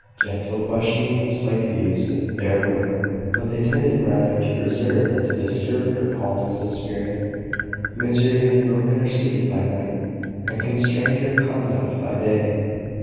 Gentle questionings like these there were; but they tended rather to preserve than to disturb her calmness of spirit. Misery had broken her sleep by night, and constrained her conduct by day.